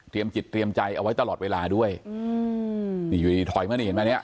เตรียมจิตเตรียมใจเอาไว้ตลอดเวลาด้วยอยู่ดีถอยมาเนี่ยเห็นมั้ยเนี่ย